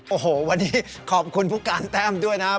โอ้โหวันนี้ขอบคุณผู้การแต้มด้วยนะครับ